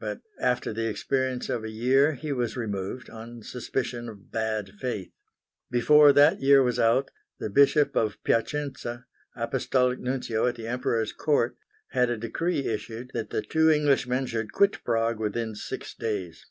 But after the experience of a year he was removed on suspicion of bad faith. Before that year was out, the Bishop of Piacenza, Apostolic Nuncio at the Emperor's Court, had a decree issued that the two Englishmen should quit Prague within six days.